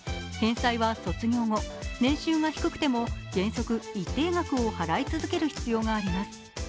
返済は卒業後、年収が低くても原則一定額を払い続ける必要があります。